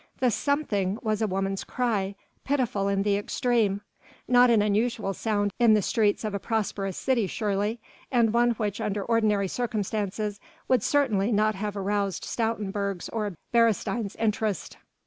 The Something was a woman's cry, pitiful in the extreme: not an unusual sound in the streets of a prosperous city surely, and one which under ordinary circumstances would certainly not have aroused Stoutenburg's or Beresteyn's interest.